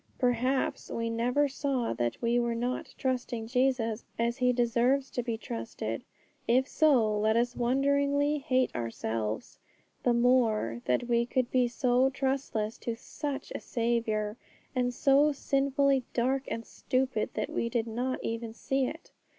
Perhaps we never saw that we were not trusting Jesus as He deserves to be trusted; if so, let us wonderingly hate ourselves the more that we could be so trustless to such a Saviour, and so sinfully dark and stupid that we did not even see it.